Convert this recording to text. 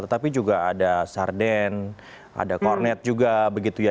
tetapi juga ada sarden ada kornet juga begitu ya